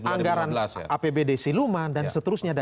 anggaran apbd siluman dan seterusnya